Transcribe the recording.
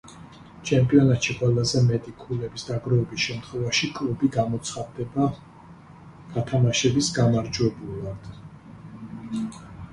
ჩემპიონატში ყველაზე მეტი ქულების დაგროვების შემთხვევაში, კლუბი გამოცხადდება გათამაშების გამარჯვებულად.